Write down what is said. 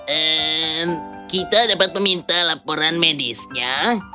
ehm kita dapat meminta laporan medisnya